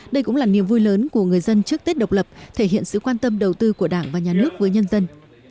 đây cũng là niềm vui lớn của người dân trước tết độc lập thể hiện sự quan tâm đầu tư của đảng và nhà nước với nhân dân